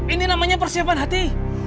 ini namanya persiapan hati